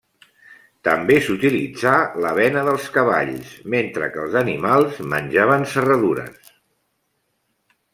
També s'utilitzà l'avena dels cavalls, mentre que els animals menjaven serradures.